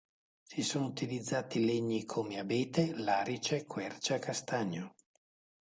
Si sono utilizzati legni come abete, larice, quercia, castagno.